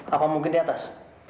apa mungkin di atas